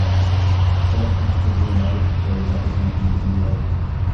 فَذَرْهُمْ يَخُوضُوا وَيَلْعَبُوا حَتَّى يُلاقُوا يَوْمَهُمُ الَّذِي يُوعَدُونَ